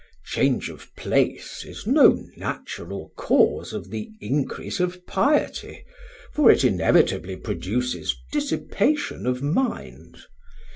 Change of place is no natural cause of the increase of piety, for it inevitably produces dissipation of mind.